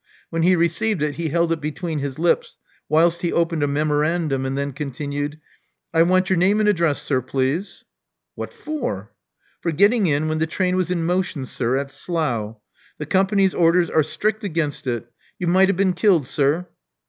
When he received it he held it between his lips, whilst he opened a memorandum and then continued, I want your name and address, sir, please." What for?" For getting in when the train was in motion, sir, at Slough. The Company's orders are strict against it. You might have been killed, sir."